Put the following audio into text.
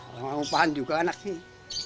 kalau gak ngupahan juga anak sih